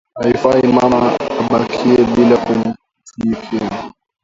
Aifai mama abakiye bila ku tumika